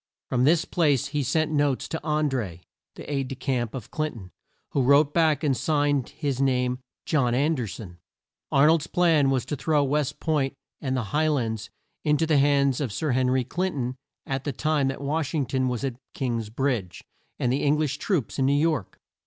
From this place he sent notes to An dré, the aide de camp of Clin ton, who wrote back and signed his name John An der son. Ar nold's plan was to throw West Point and the High lands in to the hands of Sir Hen ry Clin ton at the time that Wash ing ton was at King's Bridge, and the Eng lish troops in New York.